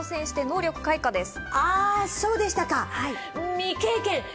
そうでしたか、未経験。